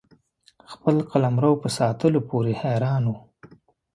خپل قلمرو په ساتلو پوري حیران وو.